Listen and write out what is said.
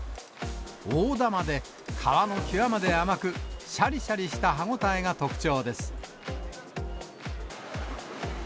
大玉で、皮の際まで甘く、しゃりしゃりした歯応えが特徴です。